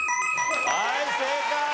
はい正解！